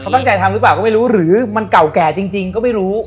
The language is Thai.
ตั้งใจทำหรือเปล่าก็ไม่รู้หรือมันเก่าแก่จริงก็ไม่รู้